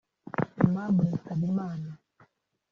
Aimable Nsabimana